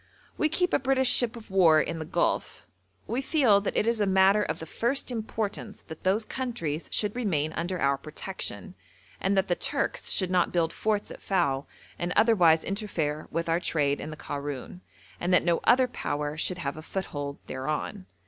We keep a British ship of war in the Gulf. We feel that it is a matter of the first importance that those countries should remain under our protection, and that the Turks should not build forts at Fao and otherwise interfere with our trade in the Karoun, and that no other power should have a foothold thereon.